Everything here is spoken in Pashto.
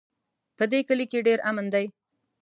په دې کلي کې ډېر امن ده